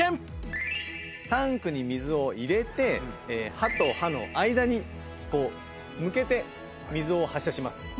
タンクに水を入れて歯と歯の間に向けて水を発射します。